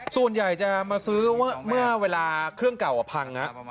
ส่วนใหญ่จะมาซื้อเมื่อเวลาเครื่องเก่าพัง